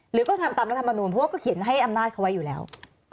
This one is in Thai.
หรือก็ทำตามรัฐมนูลเพราะว่าก็เขียนให้อำนาจเขาไว้อยู่แล้ว